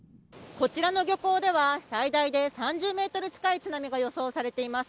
こちらの漁港では最大で３０ｍ近い津波が予想されています。